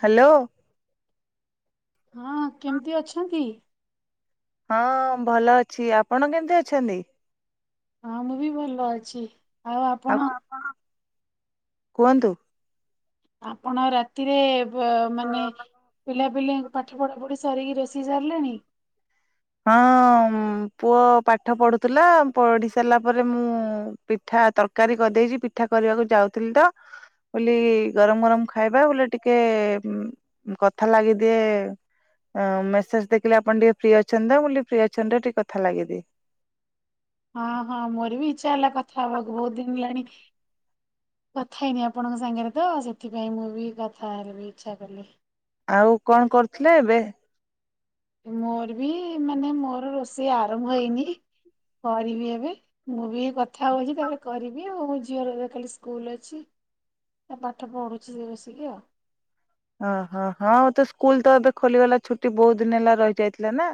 Hello. ହଁ କେମିତି ଅଛନ୍ତି? ହଁ ଭଲ ଅଛି। ଆପଣ କେମିତି ଅଛନ୍ତି? ହଁ ମୁଁ ବି ଭଲ ଅଛି। ଆଉ ଆପଣ ଆପଣ ରାତିରେ ବ ମାନେ ପିଲାପିଲି ଙ୍କି ପାଠ ପଢା ପଢି ସରିକି ରୋ ଷେଇ ସାରିଲେଣି? ହଁ ପୁଅ ପାଠ ପଢୁଥିଲା ପଢି ସାରିଲା ପରେ ମୁଁ ପିଠା ତରକାରୀ କରିଦେଇଚି ପିଠା କରିବାକୁ ଯାଉଥିଲି ତ ବୋଲି ଗରମ ଗରମ ଖାଇବା ବୋଲେ ଟିକେ ଉମ କଥା ଲାଗିଦିଏ ମେସେଜ ଦେଖିଲେ ଆପଣ ଟିକେ ଫ୍ରି ଅ ଛନ୍ତି ତ ମୁଁ କଲି ଫ୍ରି ଅଚନ୍ତି ତ ଟିକେ କଥା ଲାଗିଦିଏ। ହଁ ହଁ ମୋର ବି ଇଛା ହେଲା କଥା ହବାକୁ ବହୁତ ଦିନ ହେଲାଣି କଥା ହେଇନି ଆପଣଙ୍କ ସାଙ୍ଗରେ ତ ସେଥିପାଇଁ ମୁଁ ବି କଥା ହେବି ଇଚ୍ଛା କଲି। ଆଉ କଣ କରୁଥିଲେ ଏବେ? ମୋର ବି ମାନେ ମୋର ରୋଷେଇ ଆରମ୍ଭ ହେଇନି କରିବି ଏବେ। ମୁଁ ବି କଥା ହଉଚି ତାପରେ କରିବି ଆଉ ମୋ ଝିଅର ଖାଲି ସ୍କୁଲ ଅଛି। ତା ପାଠ ପଢୁଚି ସେ ବସିକି ଆଉ। ଓହୋ ହଁ ତ ସ୍କୁଲ ତ ଏବେ ଖୋଲିଗଲା ଛୁଟି ବହୁତ ଦିନ ହେଲା ରହିଯାଇଥିଲା ନା।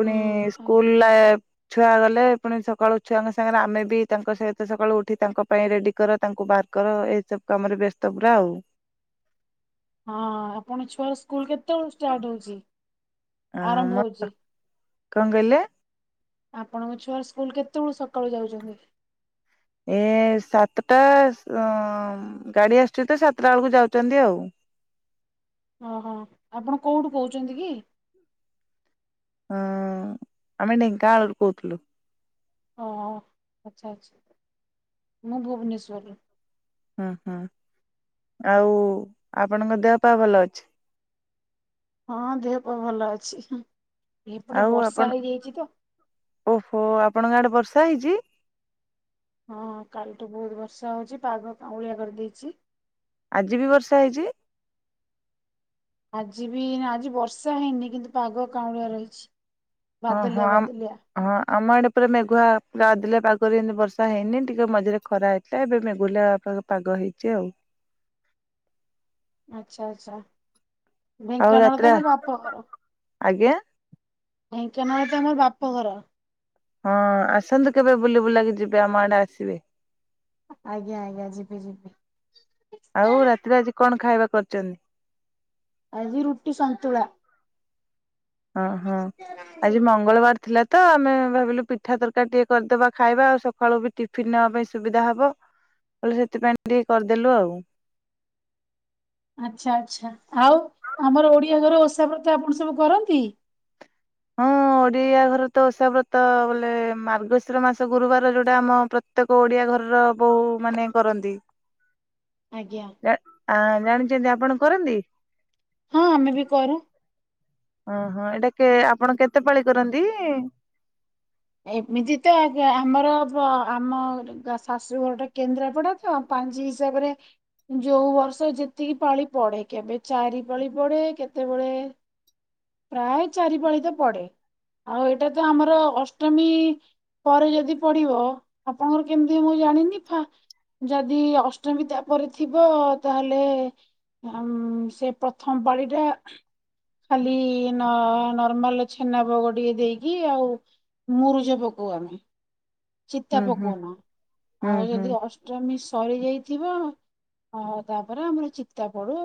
ହୁଁ ଆଜ୍ଞା। ସ୍କୁଲ ଲା ଛୁଆ ଗଲେ ପୁଣି ସକାଳୁ ଛୁଆଙ୍କ ସାଙ୍ଗରେ ଆମେ ବି ତାଙ୍କ ସହିତ ସକାଳୁ ଉଠି ତାଙ୍କ ପାଇଁ ରେଡି କର ତାଙ୍କୁ ବହାର କର ଏଇ ସବୁ କାମରେ ବ୍ୟସ୍ତ ପୁରା ଆଉ ହଁ ଆପଣଙ୍କ ଛୁଆର ସ୍କୁଲ କେତେବେଳ ଷ୍ଟାର୍ଟ ହୋଉଛି? ଆ ମ କଣ କହିଲ? ଆପଣଙ୍କ ଛୁଆର ସ୍କୁଲ କେତେବେଳୁ ସକାଳୁ ଯାଉଚନ୍ତି? ଏ ସାତଟା ଗାଡି ଆସୁଚି ତ ସାତଟା ବେଳକୁ ଯାଉଛନ୍ତି ଆଉ। ଓହୋ ଆପଣ କୋଉଠୁ କହୁଚନ୍ତି କି? ହଁ ଆମେ ଢେଙ୍କାନାଳ ରୁ କହୁଥିଲୁ। ହଁ ଆଚ୍ଛା ଆଚ୍ଛା ମୁଁ ଭୁବନେଶ୍ୱରରୁ। ହୁଁ ହୁଁ ଆଉ ଆପଣଙ୍କ ଦେହ ପା ଭଲ ଅଛି? ହଁ ଦେହ ପା ଭଲ ଅଛି ଏଇପଟେ ଆଉ ଆପଣ ବର୍ଷା ହେଇଯାଇଛି ତ ଓହୋ ଆପଣଙ୍କ ଆଡେ ବର୍ଷା ହୋଉଚି? ହଁ କାଲିଠୁ ବହୁତ ବର୍ଷା ହୋଉଛି ପାଗ କାଉଁଳିଆ କରିଦେଇଚି ଆଜି ବି ବର୍ଷା ହେଇଚି? ଆଜି ବି ଆଜି ବର୍ଷା ହେଇନି କିନ୍ତୁ ପାଗ କାଉଁଳିଆ ରହିଚି। ଓହୋ ଆମ୍ ହଁ ଆମ ଆଡେ ପୁରା ମେଘୁଆ ବଦଳିଆ ପାଗରେ ଏମିତି ବର୍ଷା ହେଇନି ଟିକେ ମଝିରେ ଖରା ଏବେ ମେଗୁଲା ପା ପାଗ ହେଇଛି ଆଉ। ଆଚ୍ଛା ଆଚ୍ଛା ଆଉ ଢେଙ୍କାନାଳ ରାତିରେ ତ ମୋ ବାପ ଘର। ଆଜ୍ଞା ଢେଙ୍କାନାଳ ତମ ବାପ ଘର। ହଁ ଆସନ୍ତୁ କେବେ ବୁଲି ବୁଲାକି ଯିବେ ଆମ ଆଡେ ଆସିବେ। ଆଜ୍ଞା ଆଜ୍ଞା ଯିବି ଯିବି। ଆଉ ରାତିରେ ଆଜି କଣ ଖାଇବା କରିଛନ୍ତି? ଆଜି ରୁଟି ସନ୍ତୁଳା। ଅହଁ ଆଜି ମଙ୍ଗଳବାର ଥିଲା ତ ଆମେ ଭାବିଲୁ ପିଠା ତରକାରୀ ଟିକେ କରିଦବା ଖାଇବା ଆଉ ସକାଳୁ ବି ଟିଫିିନ ନେବା ପାଇଁ ସୁବିଧା ହବ। ହେଲେ ସେଥିପାଇଁ ଟିକେ କରିଦେଲୁ ଆଉ। ଆଚ୍ଛା ଆଚ୍ଛା ଆଉ ଆମର ଓଡିଆ ଘରେ ଓଷା ବ୍ରତ ଆପଣ ସବୁ କରନ୍ତି? ହଁ ଓଡିଆ ଘରେ ତ ଓଷା ବ୍ରତ ବୋଲେ ମାର୍ଗଶିର ମାସ ଗୁରୁବାର ଯୋଉଟା ଆମ ପ୍ରତେକ ଓଡିଆ ଘରର ବୋହୁ ମାନେ କରନ୍ତି। ଆଜ୍ଞା। ଆ ଜାଣିଚନ୍ତି ଆପଣ କରନ୍ତି? ହଁ ଆମେ ବି କରୁ। ଓହୋ ଏଇଟା କେ ଆପଣ କେତେ ପାଳି କରନ୍ତି? ଏମିତି ତ ଅଗ୍ ଆମର ହବ ଆମର ତା ଶାଶୁ ଘର ଟା କେନ୍ଦ୍ରାପଡା ତ ପାଉଁଞ୍ଜି ହିସାବରେ ଯୋଉ ବର୍ଷ ଯେତିକି ପାଳି ପଡେ କେବେ ଚାରି ପାଳି ପଡେ କେତେବେଳେ ପ୍ରାୟ ଚାରିପାଳି ତ ପଡେ ଆଉ ଏଇଟା ତ ଆମର ଅ ଷ୍ଟମୀ ପରେ ଯଦି ପଡିବ ଆପଣଙ୍କର କେମିତି ମୁଁ ଜାଣିନି ଫା ଯଦି ଅଷ୍ଟମୀ ତା ପରେ ଥିବ ତାହେଲେ ଆମ ସେ ପ୍ରଥମ ପାଳି ଟା ଖାଲି ନ ନର୍ମାଲ ଛେନା ଭୋଗ ଟିକେ ଦେଇକି ଆଉ ମୁରୁଜ ପକେଇ ଆମେ ଚିତା ହୁଁ ହୁଁ ପକୋଉନ ହୁଁ ଆଉ ହୁଁ ଯଦି ଅଷ୍ଟମୀ ସରି ଯାଇଥିବ ହଁ ତାପରେ ଆମର ଚିତା ପଡୁ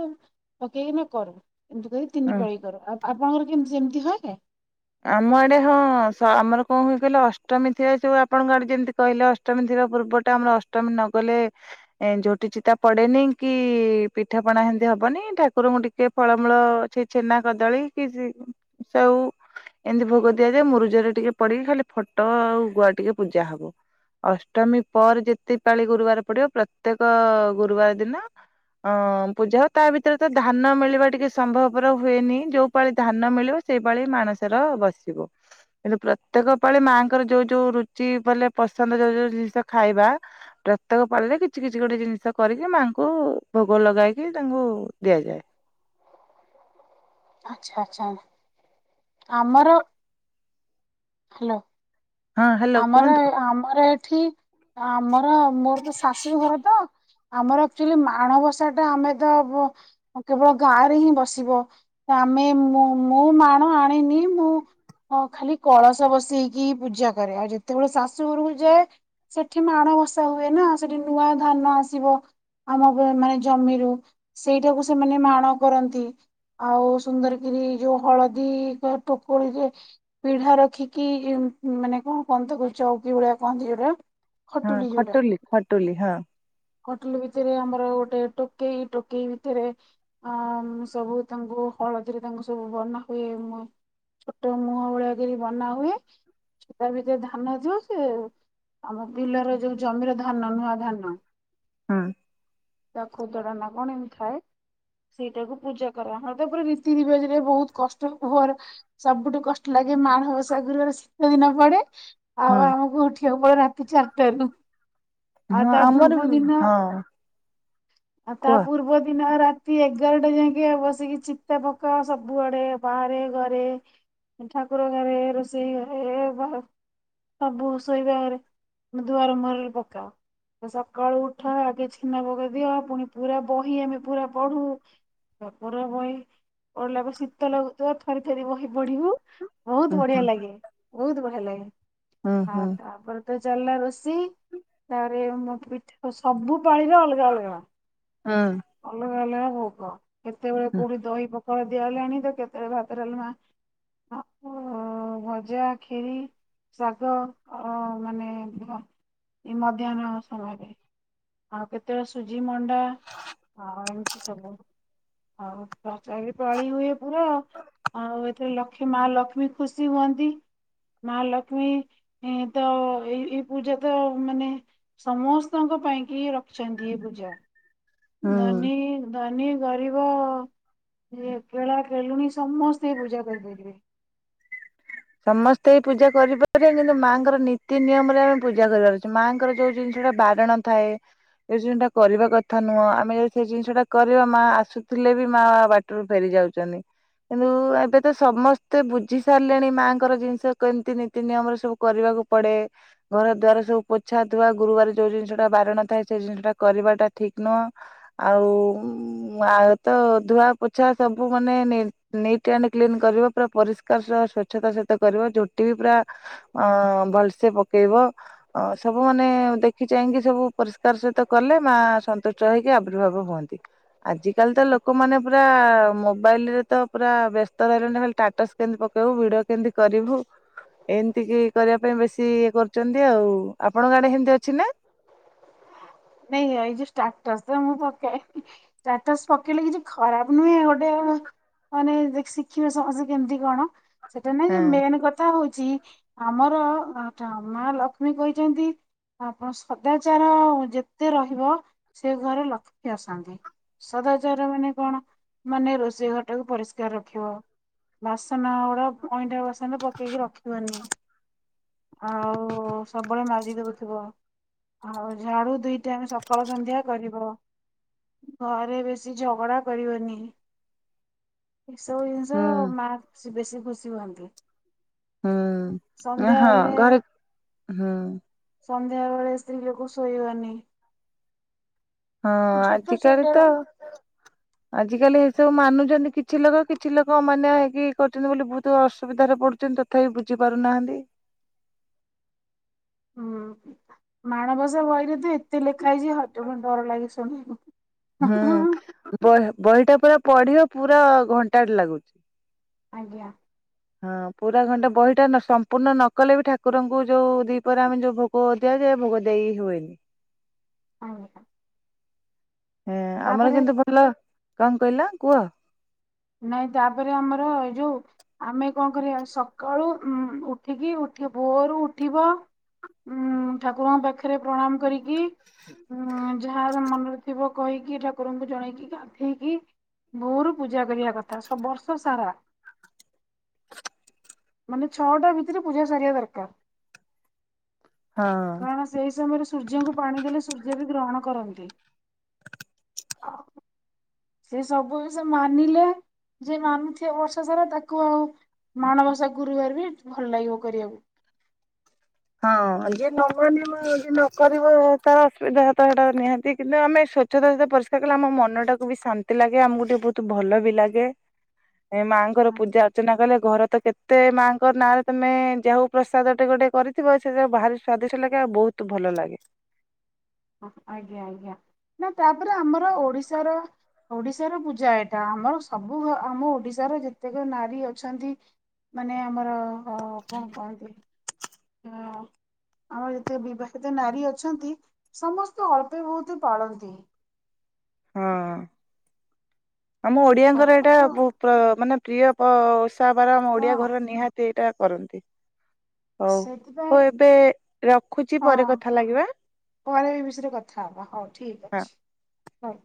ପକେଇକି ଆମେ କରୁ ଏମତି କହି ତିନି ହୁଁ। ପାଳି କରୁ ଆଉ ଆପଣଙ୍କର କେମତି ସେମିତି ହୁଏ? ଆମ ଆଡେ ହଁ ଆମର କଣ ହୁଏ କହିଲେ ଅଷ୍ଟମୀ ଥିଲା ଯୋଉ ଆପଣଙ୍କ ଆଡେ ଯେମିତି କହିଲେ ଅ ଷ୍ଟମୀ ଥିବା ପୂର୍ବଟା ଆମର ଅଷ୍ଟମୀ ନ ଗଲେ ଏ ଝୋଟି ଚିତା ପଡେନି କି ପିଠାପଣା ହେମିତି ହବନି ଠାକୁରଙ୍କୁ ଟିକେ ଫଳମୂଳ କିଛି ଛେନା କଦଳୀ କି ସେଉ ଏମିତି ଭୋଗ ଦିଆଯାଏ ମୁରୁଜରେ ଟିକେ ପଡିକି ଖାଲି ଫଟ ଆଉ ଗୁଆ ଟିକେ ପୂଜା ହବ। ଅଷ୍ଟମୀ ପରେ ଯେତେ ପାଳି ଗୁରୁବାର ପଡିବ ପ୍ରତ୍ୟେକ ଗୁରୁବାର ଦିନ ହଁ ପୂଜା ତା ଭିତରେ ତ ଧାନ ମିଳିବା ଟିକେ ସମ୍ଭବର ହୁଏନି ଯୋଉ ପାଳି ଧାନ ମିଳିବ ସେଇପାଳି ମାଣ ସେର ବସେ ବସିବ। କିନ୍ତୁ ପ୍ରତ୍ୟେକ ପାଳି ମାଆଙ୍କର ଯୋଉ ଯୋଉ ରୁଚି ବୋଲେ ପସନ୍ଦ ଯୋଉ ଯୋଉ ଜିନିଷ ଖାଇବା ପ୍ରତ୍ୟେକ ପାଳିରେ କିଛି କିଛି ଗୋଟେ ଜିନିଷ କରିକି ମାଆଙ୍କୁ ଭୋଗ ଲଗାଇକି ତାଙ୍କୁ ଦିଆଯାଏ। ଆଛା ଆଚ୍ଛା। ଆମର ହ୍ୟାଲୋ। ହଁ ହ୍ୟାଲୋ ଆମର କୁହନ୍ତୁ ଆମର ଏଠି ଆମର ମୋର ତ ଶାଶୁ ଘର ତ ଆମର ଆକ୍ଚୁଆଲି ମାଣବସା ଟା ଆମେ ତ କେବଳ ଗାଁ ରେ ହିଁ ବସିବ ଆମେ ମୁଁ ମୁଁ ମୋ ମାଣ ଆଣିନି ମୁଁ ହଁ ଖାଲି କଳସ ବସେଇକି ପୂଜା କରେ ଆଉ ଯେତେବେଳେ ଶାଶୁଘରକୁ ଯାଏ ସେଠି ମାଣ ବସା ହୁଏ ନା ସେଠି ନୂଆ ଧାନ ଆସିବ। ଆମ ମାନେ ଜମିରୁ ସେଇଟାକୁ ସେମାନେ ମାଣ କରନ୍ତି। ଆଉ ସୁନ୍ଦରକିରି ଯୋଉ ହଳଦୀ ଟୋକଳିରେ ପିଢା ରଖିକି ମାନେ କଣ କହନ୍ତୀ ତ ଚଉକି ଭଳିଆ କହନ୍ତି ଯୋଟା। ହଁ ଖଟୁଲି ଖଟୁଲି ହଁ। ଖଟୁଲି ଭିତରେ ଆମର ଗୋଟେ ଟୋକେଇ ଟୋକେଇ ଭିତରେ ଅ ସବୁ ତାଙ୍କୁ ହଳଦୀରେ ତାଙ୍କୁ ସବୁ ବନା ହୁଏ ମୁ ଛୋଟ ମୁହଁ ଭଳିଆକିରି ବନାହୁଏ। ସେ ତା ଭିତରେ ଧାନ ଥିବ ସେ ଆମ ବିଲର ଯୋଉ ଜମିର ଧାନ ନୂଆ ଧାନ। ହୁଁ। ତା ଖୋଦଡା ନା କଣ ଏମିତି ଥାଏ। ସେଇଟାକୁ ପୂଜା କରା ପୁରା ରୀତି ରିବାଜ ରେ ବୋହୁତ କଷ୍ଟ ହବ ରା ସବୁଟୁ କଷ୍ଟ ଲାଗେ ମା ମାଣବସା ଗୁରୁବାର ଶୀତ ଦିନ ପଡେ ଆଉ ହଁ। ଆମକୁ ଉଠିବାକୁ ପଡେ ରାତି ଚାରିଟାରୁ। ହଁ ଆମର ସବୁ ବି ଦିନ ହଁ ଆ ତା କୁହ ପୂର୍ବ ଦିନ ରା ଏଗାରଟା ଯାଇକି ବସିକି ଚିତା ପକା ସବୁଆଡେ ବାହାରେ ଘରେ ଠାକୁର ଘରେ ରୋଷେଇ ଘରେ ବା ସବୁ ଶୋଇବା ଘରେେ ଦୁଆର ମୁହଁରେ ପକାଅ। ସକାଳୁ ଉଠ ଆଗେ ଛେନା ପକା ଦିଅ ପୁଣି ପୁରା ବହି ଆମେ ପୁରା ପଢୁ। ତାପରେ ବହି ପଢିଲା ପରେ ଶୀତ ଲାଗୁଥିବ ଥରି ଥରି ବହି ପଢିବୁ। ହୁଁ ବୋହୁତ ହୁଁ ବଢିଆ ଲାଗେ ବୋହୁତ ବଢିଆ ଲାଗେ ହୁଁ ଆ ହୁଁ ତାପରେ ତ ଚାଲିଲା ରୋଶେଇ ତାପରେ ମୋ ପିଠା ସବୁ ପାଣିରେ ଅଲଗା ଅଲଗା ହଁ। ଅଲଗା ଅଲଗା ଭୋଗ କେତେବେଳେ ହୁଁ କୋଉଠି ଦହି ପଖଡା ଦିଆ ହେଲାଣି ତ କେତେବେଳେ ଭାତ ଡାଲମା ଶାଗ ଭଜା ଖିରି। ଶାଗ ମାନେ ମଧ୍ୟାହ୍ନ ସମୟରେ। ଆଉ କେତେବେଳେ ସୁଜି ମଣ୍ଡା ଆଉ ଏମିତି ସବୁ ଆଉ। ତଥାପି ପାଳି ହୁଏ ପୁରା ଆଉ ଏଥିରେ ଲକ୍ଷ୍ମୀ ମା ଲକ୍ଷ୍ମୀ ଖୁସି ହୁଅନ୍ତି। ମା ଲକ୍ଷ୍ମୀ ଏ ତ ଏଇ ଏଇ ପୂଜା ତ ମାନେ ସମସ୍ତ ସମଙ୍କ ପାଇଁ କି ରଖିଚନ୍ତି ଏ ପୂଜା ହୁଁ ଧନୀ ଧନୀ ଗରିବ କେଳା କେଲୁଣି ସମସ୍ତେ ପୂଜା କରିପାରିବେ। ସମସ୍ତେ ଏଇ ପୂଜା କରିପାରିବେ କିନ୍ତୁ ମାଆଙ୍କର ନୀତି ନିୟମ ରେ ଆମେ ପୂଜା କରିବାରଅଛି ମାଆଙ୍କର ଯୋଉ ଜିନିଷଟା ବାରଣ ଥାଏ। ଏ ଜିନଜଟା କରିବା କଥା ନୁହଁ ଆମେ ଯଦି ସେ ଜିନିଷଟା କରିବା ମା ଆସୁଥୁଲେ ବି ମାଆ ବା ଟରୁ ଫେରି ଯାଉଚନ୍ତି କିନ୍ତୁ ଏବେ ତ ସମସ୍ତେ ବୁଝି ସାରିଲେଣି ମାଆଙ୍କର ଜିନିଷ କେମତି ନୀତି ନିୟମରେ ସବୁ କରିବାକୁ ପଡେ। ଘର ଦ୍ୱାର ସବୁ ପୋଛା ଧୁଆ ଗୁରୁବାର ଯୋଉ ଜିନଷଟା ବାରଣ ଥାଏ ସେ ଜିନଷଟା କରିବାଟା ଠିକ୍ ନୁହଁ। ଆଉ ଆଉ ତ ଧୁଆ ପୋଛା ସବୁ ମାନେ ନି ନିଟ୍ ଆଣ୍ଡ କ୍ଲିନ୍ କରିବ ପୁରା ପରିଷ୍କାର ସହ ସ୍ୱଚ୍ଛତା ସହିତ କରିବ ଝୋଟି ବି ପୁରା ଅ ଭଲସେ ପକେଇବ। ଅ ସବୁମାନେ ଦେଖି ଚାହିଁକି ସବୁ ପରିଷ୍କାର ସହିତ କଲେ ମାଆ ସନ୍ତୁଷ୍ଟ ହୋଇକି ଆବିର୍ଭାବ ହୁଅନ୍ତି। ଆଜିକାଲି ତ ଲୋକମାନେ ପୁରା ମୋବାଇଲରେ ତ ପୁରା ବ୍ୟସ୍ତ ରହିଲେଣିି ଖାଲି ଟାଟସ୍ କେମତି ପକେଇବୁ ଭିଡିଓ କେମତି କରିବୁ। ଏମତି କି କରିବା ପାଇଁ ବେଶୀ ଇଏ କରୁଚନ୍ତି ଆଉ ଆପଣଙ୍କ ଆଡେ ହେମତି ଅଛି ନା? ନାଇଁ ଏଇ ଯୋଉ ଷ୍ଟାଟସ୍ ତ ମୁଁ ପକାଏ ଷ୍ଟାଟସ୍ ପକେଇଲେ କିଛି ଖରାପ ନୁହେଁ ଗୋଟେ ମାନେ ଯାଇ ଶିଖିବେ ସମସ୍ତେ କେମିତି କଣ। ସେଟା ନାଇଁ ଯେ ହଁ ମେନ୍ କଥା ହୋଉଚି ଆମର ଅଁ ଠା ମାଆ ଲକ୍ଷ୍ମୀ କହିଚନ୍ତି ଆପଣ ସଦାଚାର ଯେତେ ରହିବ ସେ ଘରେ ଲକ୍ଷ୍ମୀ ଆସନ୍ତି। ସଦାଚର ମାନେ କଣ ମାନେ ରୋଷେଇ ଘରଟାକୁ ପରିଷ୍କାର ରଖିବ। ବାସନ ଗୁଡା ଅଇଁଠା ବାସନ ପକେଇକି ରଖିବନି। ଆଉ ସବୁବେଳେ ମାଜିଦୋଉଥୁବ। ଆଉ ଝାଡୁ ଦୁଇ ଟାଇମ ସକାଳ ସନ୍ଧ୍ୟା କରିବ। ଘରେ ବେଶୀ ଝଗଡା କରିବନି। ଏସବୁ ଜିନିଷ ହୁଁ ମାଆ ସେ ବେଶୀ ଖୁସି ହୁଅନ୍ତି। ହୁଁ ସନ୍ଧ୍ୟା ଆଁହଁ ହେଲେ ଘରେ ହୁଁ। ସନ୍ଧ୍ୟା ବେଳେ ସ୍ତ୍ରୀଲୋକ ଶୋଇବାନି। ହଁ ଛୋଟ ଛୋଟ ଆଜିକାଲି ତ ଆଜିକାଲି ଏସବୁ ମାନୁଚନ୍ତି କିଛି ଲୋକ କିଛି ଲୋକ ଅମାନ୍ୟ ହେଇକି କରୁଚନ୍ତି ବୋଲି ବୋହୁତ ଅସୁବିଧାରେ ପଡୁଚନ୍ତି ତ ଥାପି ବୁଝି ପାରୁନାହାନ୍ତି। ହୁଁ ମାଣବସା ବହିରେ ତ ଏତେ ଲେଖା ହେଇଚି ହାଟ ଭଣ୍ଡାର ଲାଗେ ଶୁଣିବାକୁ। ହୁଁ ବହି ବହିଟା ପୁରା ପଢିବା ପୁରା ଘଣ୍ଟାଟେ ଲାଗୁଚି। ଆଜ୍ଞା। ହଁ ପୁରା ଘଣ୍ଟେ ବହିଟା ନସ ସମ୍ପୂର୍ଣ୍ଣ ନ କଲେ ବି ଠାକୁରଙ୍କୁ ଯୋଉ ଦିହିପରେ ଆମେ ଯୋଉ ଭୋ ଗ ଦିଆଯାଏ ଭୋଗ ଦେଇ ହୁଏନି। ଓହୋ। ଏ ଆମର ଯେମତି ଭୋଗ ଲା କଣ କହିଲା କୁହ। ନାଇଁ ତାପରେ ଆମର ଏଇ ଯୋଉ ଆମେ କଣ କରିବା ସକାଳୁ ଉଁ ଉଠିକି ଉଠି ଭୋରୁ ଉଠିବ ଉଁ ଠାକୁରଙ୍କ ପାଖରେ ପ୍ରଣାମ କରିକି ଉଁ ଯାହା ମନରେ ଥିବ କହିକି ଠାକୁରଙ୍କୁ ଜଣେଇକି ଗାଧେଇକି ଭୋରୁ ପୂ ପୂଜା କରିବା କଥା ସ ବର୍ଷ ସାରା। ମାନେ ଛଅଟା ଭିତରେ ପୂଜା ସାରିବା ଦରକାର ହଁ। କାରଣ ସ୍ ସେଇ ସମୟରେ ସୂର୍ଯ୍ୟଙ୍କୁ ପାଣି ଦେଲେ ସୂର୍ଯ୍ୟ ବି ଗ୍ରହଣ କରନ୍ତି। ଆ ସେ ସବୁ ଜିନଷ ମାନିଲେ ଯିଏ ମାନୁଥିବ ବର୍ଷା ସାରା ତାକୁ ଆଉ ମାଣବସା ଗୁରୁବାର ବି ଭଲ ଲାଗିବ କରିବାକୁ। ହଁ ଯିଏ ନ ମାନିବ ଯିଏ ନକିବ ଆଉ ତାର ଅସୁବିଧା ତ ହେଟା ନିହାନ୍ତି କିନ୍ତୁ ଆମେ ସ୍ଵ ଚ୍ଛତା ତା ପରିଷ୍କାର କଲେ ଆମ ମନଟାକୁ ବି ଶାନ୍ତି ଲାଗେ ଆମକୁ ଟିକେ ବୋହୁତ ଭଲ ବି ଲାଗେ। ଏ ମାଆଙ୍କର ପୂଜା ଅର୍ଚ୍ଚନା କଲେ ଘର ତ କେ ତେ ମାଆଙ୍କ ନାଁରେ ତମେ ଯାହୋଉ ପ୍ରସାଦଟେ ଗୋଟେ କରି ଥିବ ସେ ଭାରି ବାହାରେ ସ୍ଵାଦିଷ୍ଟ ଲାଗେ ଆଉ ବୋହୁତ ଭଲ ଲାଗେ। ଆଜ୍ଞା ଆଜ୍ଞା ନା ତାପରେ ଆମର ଓଡିଶାର ଓଡିଶାର ପୂଜା ଏଇଟା ଆମର ସବୁ ଘ ଆମ ଓଡିଶାର ଯେତେକ ନାରୀ ଅଛନ୍ତି ମାନେ ଆମର ହଁ କଣ କହନ୍ତି। ହଁ ଆମର ଯେତେ ବିବାହିତ ନାରୀ ଅଛନ୍ତି। ସମସ୍ତେ ଅଳ୍ପେ ବହୁତ ପାଳନ୍ତି। ହଁ ଆମ ଓଡିଆଙ୍କର ଏଇଟା ସମସ୍ତେ ବ ମାନେ ପ୍ରିୟ ବାର ଆମ ହଁ ଓଡିଆ ଘର ନିହାତି ଏଇଟା କରନ୍ତି। ହଉ ସେଥିପାଇଁ ହଉ ଏବେ ରଖୁଚି ହଁ ପରେ କଥା ଲାଗିବା। ପରେ ବି ବିଷୟରେ କଥା ହେବା ହଉ ଠିକ୍ ହଁ। ଅଛି ହଉ।